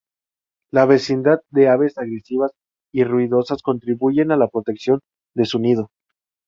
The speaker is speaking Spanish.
La vecindad de aves agresivas y ruidosas contribuyen a la protección de su nido.